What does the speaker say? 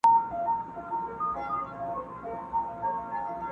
سوځېدل هم بې حکمته بې کماله نه دي یاره